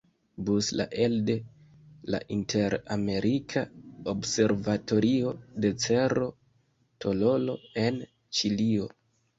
Bus la elde la Inter-Amerika observatorio de Cerro Tololo en Ĉilio.